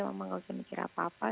mama gak usah mikir apa apa